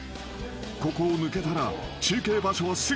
［ここを抜けたら中継場所はすぐ］